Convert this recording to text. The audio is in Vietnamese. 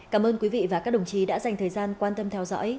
cảm ơn quý vị và các đồng chí đã dành thời gian quan tâm theo dõi